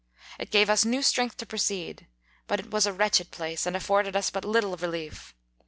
It gave us new strength to. proceed ; but it was a wretched place, and afforded us but little relief.